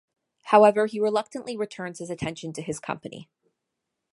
However, he reluctantly returns his attention to his company.